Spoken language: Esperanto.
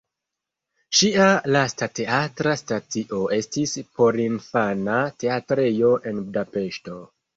Ŝia lasta teatra stacio estis porinfana teatrejo en Budapeŝto.